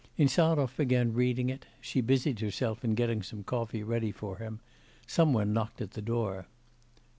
Insarov began reading it; she busied herself in getting some coffee ready for him. Some one knocked at the door.